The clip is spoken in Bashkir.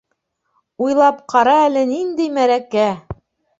Уйлап ҡара әле ниндәй мәрәкә!